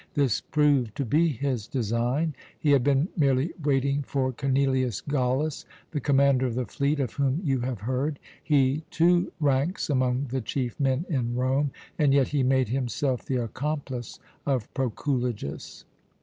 This proved to be his design; he had been merely waiting for Cornelius Gallus, the commander of the fleet, of whom you have heard. He, too, ranks among the chief men in Rome, and yet he made himself the accomplice of Proculejus.